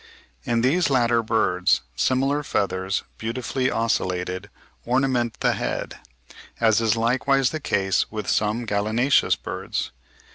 In these latter birds, similar feathers, beautifully ocellated, ornament the head, as is likewise the case with some gallinaceous birds.